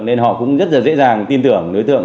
nên họ cũng rất dễ dàng tin tưởng đối tượng